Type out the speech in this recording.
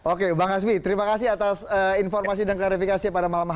oke bang hasbi terima kasih atas informasi dan klarifikasi pada malam hari ini